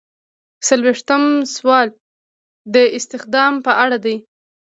څلویښتم سوال د استخدام په اړه دی.